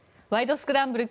スクランブル」